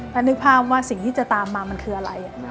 ถ้านึกภาพว่าสิ่งที่จะตามมามันคืออะไร